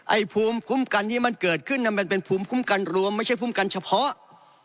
ภูมิคุ้มกันที่มันเกิดขึ้นมันเป็นภูมิคุ้มกันรวมไม่ใช่คุ้มกันเฉพาะ